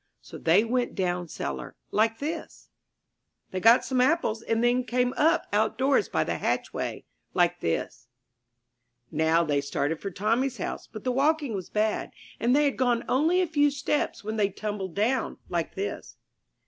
So they went down cellar, like this. <^\ Q a / They got some apples, and then they came up outdoors by the hatchway, like this. ii6 IN THE NURSERY Now they started for Tommy's house, but the walking was bad, and they had gone only a few steps when they tumbled down, like this.